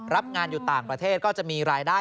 รับงานอยู่ต่างประเทศก็จะมีรายได้